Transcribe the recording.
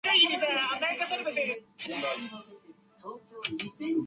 國民黨的舔共立委都該被罷免